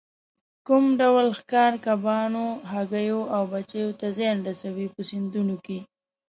کوم ډول ښکار کبانو، هګیو او بچیو ته زیان رسوي په سیندونو کې.